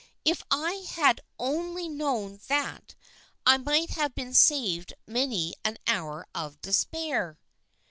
" If I had only known that, I might have been saved many an hour of despair."